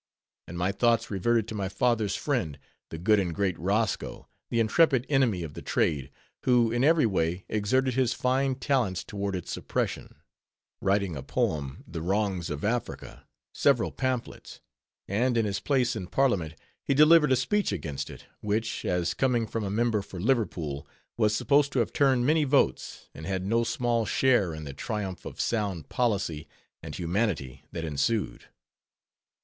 And my thoughts reverted to my father's friend, the good and great Roscoe, the intrepid enemy of the trade; who in every way exerted his fine talents toward its suppression; writing a poem ("the Wrongs of Africa"), several pamphlets; and in his place in Parliament, he delivered a speech against it, which, as coming from a member for Liverpool, was supposed to have turned many votes, and had no small share in the triumph of sound policy and humanity that ensued.